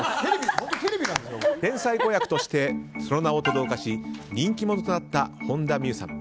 天才子役としてその名をとどろかせ人気者となった本田望結さん。